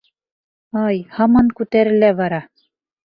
Ай һаман күтәрелә бара.